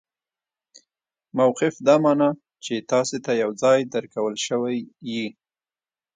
موقف دا مانا، چي تاسي ته یو ځای درکول سوی يي.